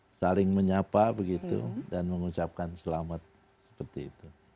saya saling menyapa begitu dan mengucapkan selamat seperti itu